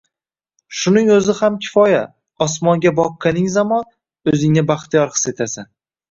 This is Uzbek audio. shuning o‘zi ham kifoya: osmonga boqqaning zamon o‘zingni baxtiyor his etasan.